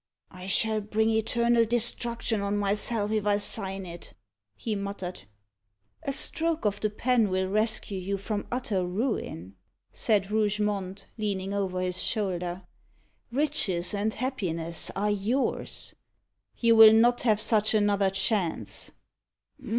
"I shall bring eternal destruction on myself if I sign it," he muttered. "A stroke of the pen will rescue you from utter ruin," said Rougemont, leaning over his shoulder. "Riches and happiness are yours. You will not have such another chance."